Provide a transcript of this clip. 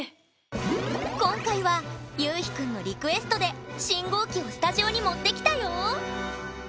今回はゆうひくんのリクエストで信号機をスタジオに持ってきたよ。